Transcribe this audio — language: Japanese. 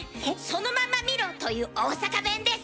「そのまま見ろ」という大阪弁です。